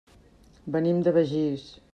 Venim de Begís.